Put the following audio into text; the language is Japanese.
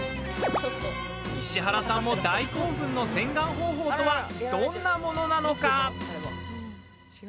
石原さんも大興奮の洗顔方法とはどんなものなのか。